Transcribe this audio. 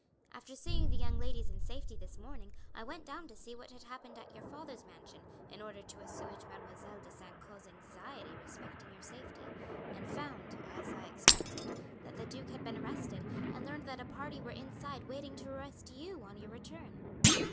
After seeing the young ladies in safety this morning I went down to see what had happened at your father's mansion, in order to assuage Mademoiselle de St. Caux's anxiety respecting your safety, and found, as I expected, that the duke had been arrested, and learned that a party were inside waiting to arrest you on your return.